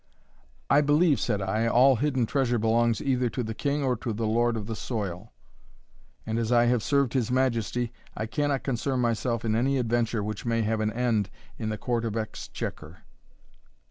"I believe," said I, "all hidden treasure belongs either to the king or the lord of the soil; and as I have served his majesty, I cannot concern myself in any adventure which may have an end in the Court of Exchequer."